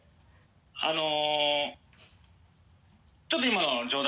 あのちょっと今のは冗談。